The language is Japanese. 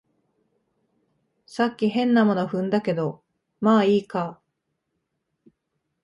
さっき変なもの踏んだけど、まあいいか